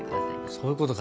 そういうことか。